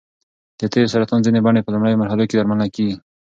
د تیو سرطان ځینې بڼې په لومړیو مرحلو کې درملنه کېږي.